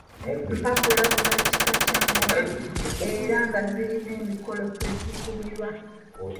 Mpakulabulwa kika kya ngoma era nga zirina emikolo kwe zikubirwa.